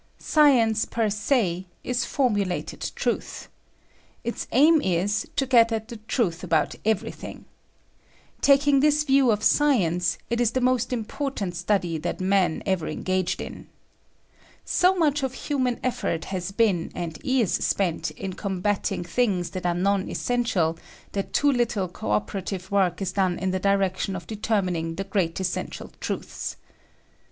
Science, per se, is formulated truth. Its aim is to get at the truth about everything. Taking this view of science, it is the most important study I . Original from UNIVERSITY OF WISCONSIN 202 nature's flMracles. that man ever engaged in. So much of human effort has been and is spent in combating things that are non essential, that too little co operative work is done in the direction of determining the great essential truths.